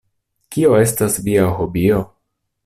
Kio estas via hobio?